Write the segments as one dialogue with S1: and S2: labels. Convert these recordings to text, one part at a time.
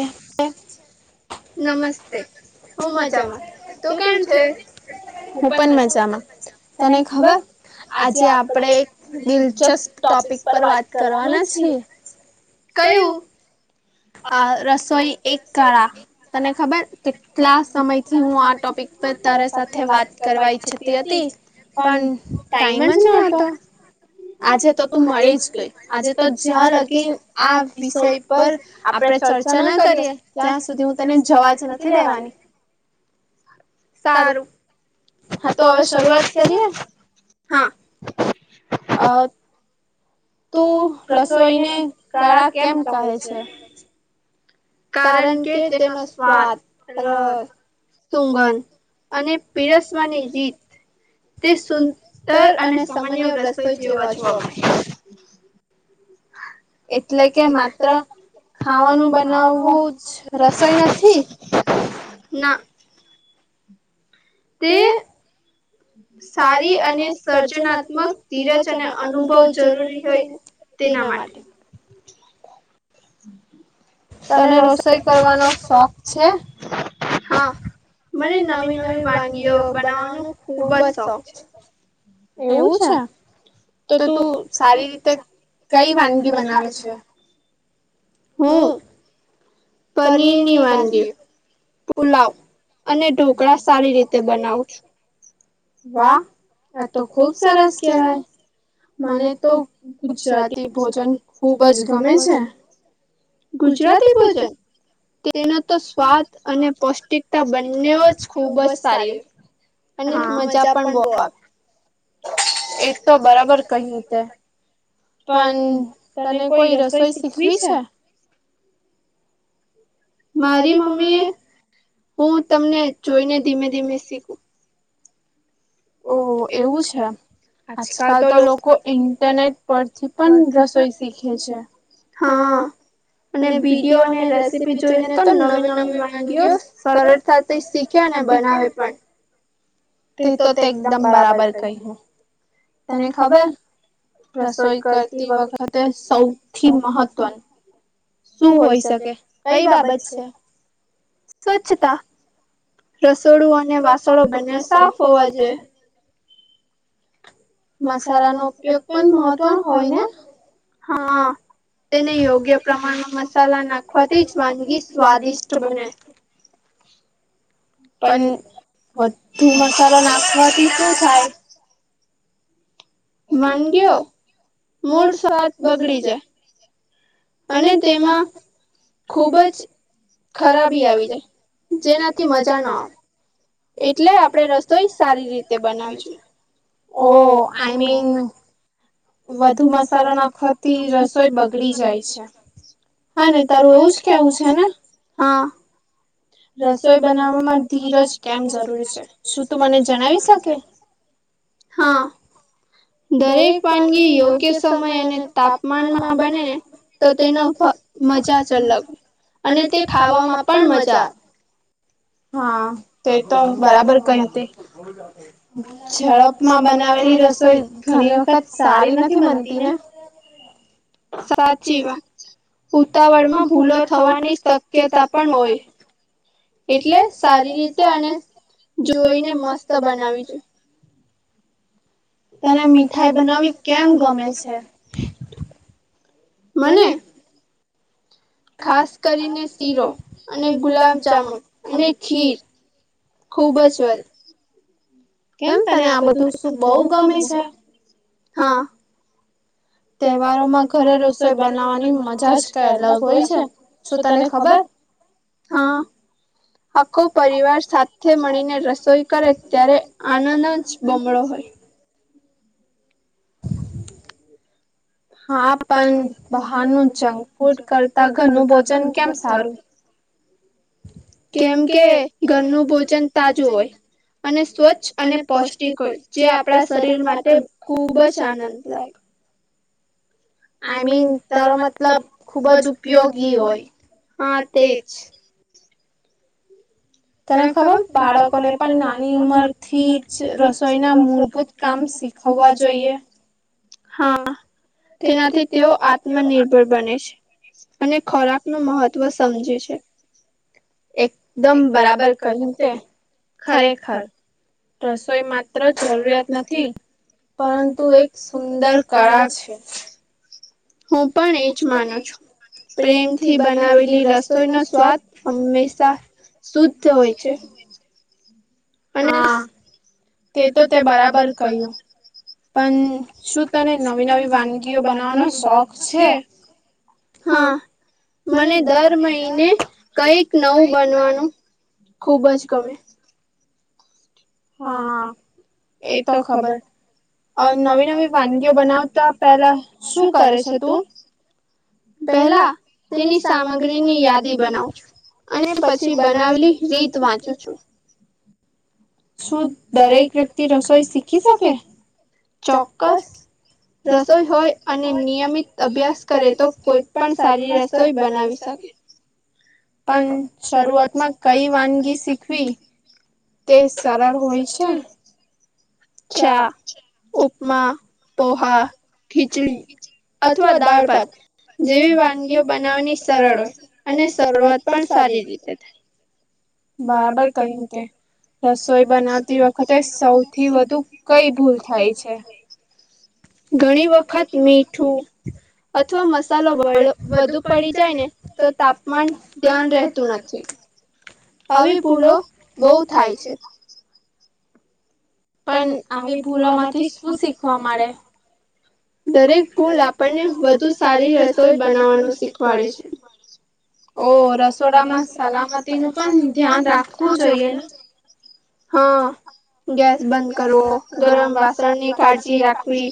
S1: એ નમસ્તે હું મજામાં તું કેમ છે? મ પણન મજામાં તને ખબર આજે આપડે એક દિલચસ્પ ટોપિક પર વાત કરવાના છીએ. કયું? આ રસોઈ એક કળા તને ખબર કેટલા સમય થી હું આ ટોપિક પણ તારા સાથે વાત કરવા ઈચ્છતી હતી. પણ ટાઈમ જ ના આતો. આજે તો તું મળી જ ગઈ આજે તો જ્યાં લગી આ વિષય પર આપડે ચર્ચા ના કરીએ ત્યાં સુધી હું તને જવાજ નથી દેવાની. સારું હા તો હવે શરૂઆત કરીએ હા. અ તું રસોઈને કળા કેમ કહે છે?
S2: કારણ કે તેનો સ્વાદ સુંગન અને પીરસવાની રીત તે સુંદર અને સામાન્ય રસઈ જેવા જોવા મળ એટલે કે માત્ર ખાવાનું બનાવ બહ જ રસોઈ નથી ના.
S1: તે સારી અને સર્જનાત્મક ધીરજ અને અનુભવ જરૂરી હોય. તેના માટે
S2: [unintelligible] [unintelligible]
S1: તને રસોઈ કરવાનો શોખ છે હા. મને નવી નવી વાનગીઓ બનાવવાનો ખુબ જ શોખ છે.
S2: એવું છે. તો તું સારી રીતે કઈ વાનગી બનાવે છે.
S1: હું પનીરની વાનગી પુલાવ અને ઢોકળા સારી રીતે બનાવું છું. વાહ આ તો ખુબ સરસ કવાય. મને તો ગુજરાતી ભોજન ખુબ જ ગમે છે. ગુજરાતી ભોજન તેનો તો સ્વાદ અને પૌષ્ટિકતા બંને જ ખુબ જ સારી અને મજા પણ બહ આવે. એક તો બરાબર કહ્યું તે પણ તને કોઈ રસોઈ શીખવી છે.
S2: મારી મમ્મી હું તમને જોઈને ધીમે ધીમે શીખું.
S1: ઓ એવું છે.
S2: આજકાલ તો લોકો ઇન્ટરનેટ પરથી પણ રસોઈ શીખે છે. હા.
S1: અને વિડીયો અને રેસીપી જોઈને તો નવી નવી વાનગીઓ સરળતાથી શીખે. બનાવે પણ. તે તો તે એકદમ બરાબર કહ્યું તને ખબર રસોઈ કરતી વખતે સૌથી મહત્વનું- શું હોય શકે કઈ બાબત છે. સ્વચ્છતા રસોડું અને વાસણો બંને સાફ હોવા જે
S2: મસાલા નો ઉપયોગ પણ મહત્વનો હોય ને હા.
S1: તેને યોગ્ય પ્રમાણમાં મસાલા નાખવાથી વાનગી સ્વાદિષ્ટ બને છે. [unintelligible] પણ વધધી મસાાલો નાખવાથી શ થાય.
S2: વાનગયો મૂળ સાત બગડી જાય.
S1: અને તેમાં ખુબ જ ખરાબી આવી જાય જેનાથી મજા ના આવે. એટલે આપણેે રસોઈ સારી રીતે બનાવીશું. ઓ આઈમીન
S2: વધુ મસાલા નાખવાથી રસોઈ બગડી જાય છે. હા ને તારું એવું જ કેવું છે ને હા. રસોઈ બનાવવામાં ધીરજ કેમ જરૂરી છે શું તું મને જણાવી શકે. હા. દરેક વાનગી યોગ્ય સમય અને તાપમાનમાં બનેને તો તેનો મજા જ અલગ અને તે ખાવામાં પણ મજા
S1: હા તે તો બરાબર કય તે. ઝડપમાં બનાવેલી રસોઈ ઘણી વખત સારી નથી બનતી ને. [unintelligible]
S2: સાચી વાત. ઉતાવળ માં ભૂલો થવાની શક્યતા પણ હોય. એટલે સારી રીતે અને જોઈને મસ્ત બનાવી જોય. તને મીઠાઈ બનાવી કેમ ગમે છે.
S1: મને
S2: ખાસ કરીને શીરો અને ગુલાબજામુન અને ખીર ખુબ જ વલ
S1: કેમ તને આ બધું શું બહુ ગમે છે હા. તહેવારોમાં ઘરે રસોઈ બનાવવાની મજા જ કઈ અલગ હોય છે. શું તને ખબર હા.
S2: આખો પરિવાર સાથે મળીને રસોઈ કરે ત્યારે આનંદ જ બમડો હોય. [inaudible]
S1: હા પણ બહારનું જંક ફૂડ કરતા ઘરનું ભોજન કેમ સારું?
S2: કેમ કે ઘરનું ભોજન તાજું હોય. અને સ્વચ્છ અને પૌષ્ટિક હોય જે આપણા શરીર માટે ખુબ જ આનંદ લાયક આઈ મીન તારો મતલબ ખુબ જ ઉપયોગી હોય હા તેજ
S1: તને ખબર બાળકોને પણ નાની ઉંમર થી જ રસોઈના મૂળભૂત કામ શીખવવા જોઈએ હા તેનાથી તેઓ આત્મનિર્ભર બને છે અને ખોરાક નું મહત્વ સમજે છે એકદમ બરાબર કહ્યું તે ખરેખર રસોઈ માત્ર જરૂરિયાત નથી પરંતુ એક સુંદર કળા છે
S2: હું પણ એ જ માનું છું પ્રેમથી બનાવેલી રસોઈ નો સ્વાદ હંમેશા શુદ્ધ હોય છે
S1: હા તે તો તે બરાબર કહ્યું પણ શું તને નવી નવી વાનગીઓ બનાવાનો શોખ છે હા મને દર મહિને કઈક નવું બનવાનું ખુબ જ ગમે હા એતો ખબર નવી નવી વાનગીઓ બનાવતા પેલા શું કરે છે તું પેલા તેની સામગ્રીની યાદી બનાવુ છુ અને પછી બનાવેલી રીત વાંચું છું
S2: શું દરેક વ્યક્તિ રસોઈ શીખી શકે ચોક્કસ રસોઈ હોય અને નિયમિત અભ્યાસ કરે તો કોઈ પણ સારી રસોઈ બનાવી શકે
S1: [inaudible] પણ શરૂઆતમાં કઈ વાનગી શીખવી તે સરળ હોય છે ચા ઉપમા પોહા ખીચડી અથવા દાળ ભાત જેવી વાનગીઓ બનાવવાની સરળ હોય અને શરૂઆત પણ સારી બરાબર કહ્યું તે રસોઈ બનાવતી વખતે સૌથી વધુ કઈ ભૂલ થાય છે ઘણી વખત મીઠું અથવા મસાલો વડ વધુ પડી જાય ને તો તાપ માન પણ ધ્યાન રહેતું નથી આવી ભૂલો બહુ થાય છે પણ આવી ભૂલો માંથી શું શીખવા મળે
S2: દરેક ભૂલ આપણને વધુ સારી રસોઈ બનાવવાનું શીખવાડે છે ઓ રસોડામાં સલામતી નું પણ ધ્યાન રાખવું જોઈએ ને હા ગેસ બંધ કરવો ગરમ વાસણ ની કાળજી રાખવી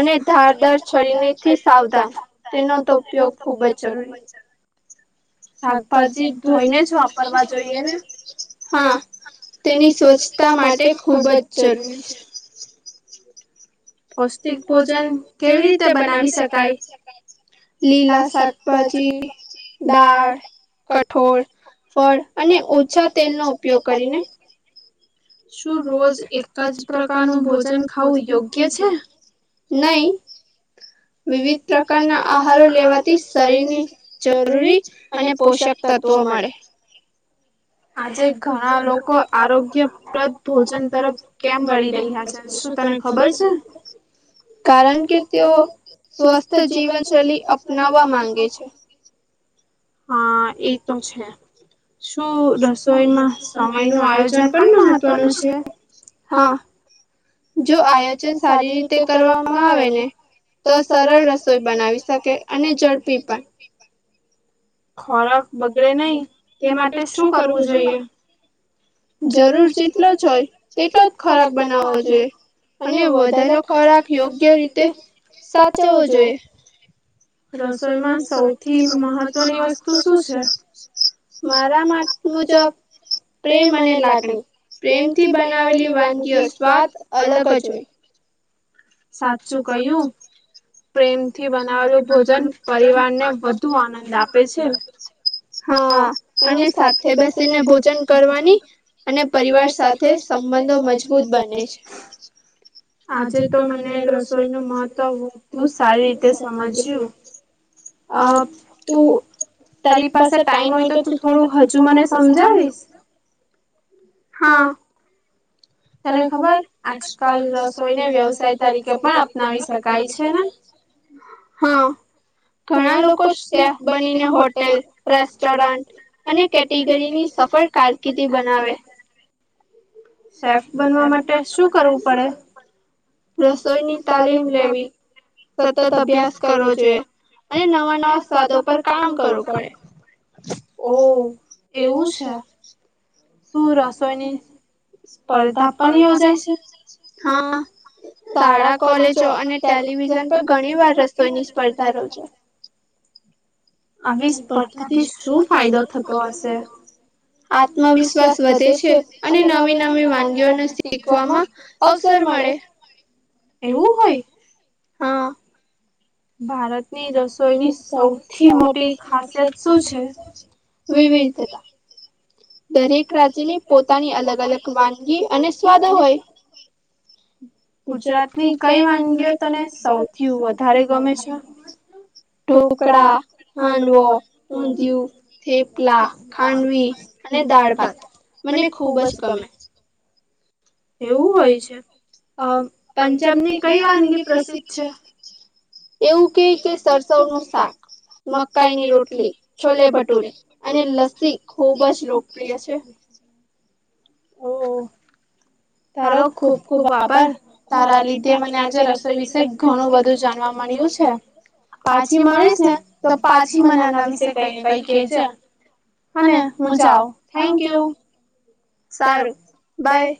S2: અને ધારદાર છરીણીથી સાવધાન તેનો તો ઉપયોગ ખૂબ જ જરૂરી હોય છે શાકભાજી ધોઈને જ વાપરવા જોઈએ ને હા તેની સ્વચ્છતા માટે ખૂબ જ જરૂરી છે પૌષ્ટિક ભોજન કેવી રીતે બનાવી શકાય લીણા શાકભાજી દાળ કઠોળ ફળ અને ઓછા તેલનો ઉપયોગ કરીને
S1: શું રોજ એક જ પ્રકારનું ભોજન ખાવું યોગ્ય છે? નહી.
S2: વિવિધ પ્રકારના આહારો લેવાથી શરીરની જરૂરી અને પોષક તત્વ જોવા મળે
S1: આજે ઘણા લોકો આરોગ્યપ્રદ ભોજન તરફ કેમ વળી રહ્યા છે શું તમે
S2: ને ખબર છે કારણ કે તેઓ સ્વસ્થ જીવનશૈલી અપનાવવા માંગે છે.
S1: હા એ તો છે. શું રસોઈમાં સમય નું આયોજન પણ મહત્વનું છે? હા જો આયોજન સારી રીતે કરવામાં આવે ને તો સરળ રસોઈ બનાવી શકે અને ઝડપી પણ
S2: ખોરાક બગડે નહી તે માટે શું કરવું જોઈએ? જરૂર જેટલો જ હોય તેટલો જ ખરાબ બનાવવો જોઈએ. અને વધારેલો ખોરાક યોગ્ય રીતે સાચવવો જોઈએ. રસોઈમાં સૌથી મહત્વની વસ્તુ શું છે? મારા‌ મથ મુજ પ્રેમ ને લાગણી પ્રેમથી બનાવેલી વાનગીઓ સ્વાદ
S1: અલગ જ હોય. સાચું કયું. પ્રેમથી બનાવેલું ભોજન પરિવારને વધુ આનંદ આપે છે. હા અને સાથે બેસીને ભોજન કરવાની અને પરિવાર સાથે સંબંધો મજબૂત બને છે આજે ‌તો તો મને રસોઈ નું મહત્વ બું સારી રીતે સમજ્યું. આ તોહ
S2: તારી પાસે ટાઈમ હોય તો તું થોડું હજુ મને સમજાવીશ. હા.
S1: તને ખબર આજકાલ રસોઈને વ્યવસાય તરીકે પણ અપનાવી શકાય છે ને. હા. ઘણા લોકો શેફ બનીને હોટેલ, રેસ્ટોરન્ટ અને કેટેગરીની સફળ કારકિર્દી બનાવે સેફ બનવા માટે શું કરવું? પડે રસોઈની તાલીમ લેવી. સતત અભ્યાસ કરવો જોઈએ અને નવા નવા સ્વાદો પર કામ કરવું પડે. ઓ એવું છે? શું રસોઈની સ્પર્ધા પણ યોજાય છે હા. શાળા કોલેજો અને ટેલિવિઝન પર ઘણી વાર રસતોઈની સ્પર્ધા રજાય. આવી સ્પર્ધાથી શું ફાયદો થતો હશે? આત્મવિશ વધે છે અને નવી નવી વાજઓને શીખવામાં અવસર મળે. એવું હોય હા.
S2: ભારતની રસોઈની સૌથી મોટી ખાસિયત શું છે? વિવિધતા દરેક રાજ્યની પોતાની અલગ અલગ વાનગી અને સ્વાદ હોય. ગુજરાતની કઈ વાનગી તોને સૌથી વધારે ગમે છે? ઢોકળા, હાંડવો, ઊજિય, થેપલા, ખાડવી અને દાળ ભાત મને ખુબ જ ગમે. એવું હોય છે. અ પંજાબ ની કઈ વાનગી પ્રસિદ્ધ છે? એવું કે કે સરસવ નું શાક મકાઈની રોટલી, છોલે ભટુરે અને લસ્સી ખુબ જ લોકપ્રિય છે.
S1: ઓ. તારો ખુબ ખુબ આભાર, તારા લીધે મને આજે રસોઈ વિશે ઘણું બધું જાણવા મ ળું છે. પાછી મારીશ ને તો પાછી મને આના વિશે કઈને કઈ કે જે. અને હું જાઉ થેન્ક યુ. સારું બાય.